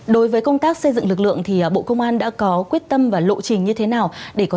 đối với công tác xây dựng lực lượng thì bộ công an đã có quyết tâm và lộ trình như thế nào để có